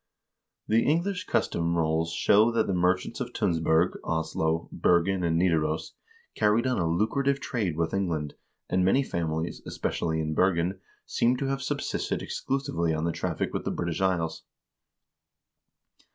The English Custom Rolls show that the merchants of Tunsberg, Oslo, Bergen, and Nidaros carried on a lucrative trade with England, and many families, especially in Ber gen, seem to have subsisted exclusively on the traffic with the British Isles.